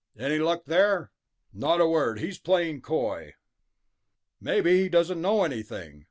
"Any luck there?" "Not a word. He's playing coy." "Maybe he doesn't know anything.